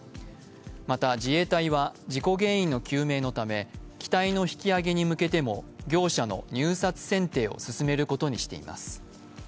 また自衛隊は事故原因の究明のため機体の引き揚げに向けても業者の入札選定を進めることにしています。